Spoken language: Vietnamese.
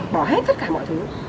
bỏ hết tất cả mọi thứ